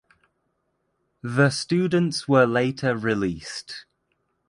The students were later released.